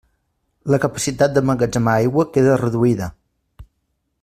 La capacitat d'emmagatzemar aigua queda reduïda.